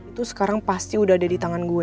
itu sekarang pasti udah ada di tangan gue